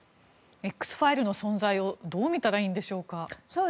Ｘファイルの存在をどう見たらいいんでしょうか。